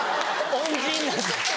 恩人なんです！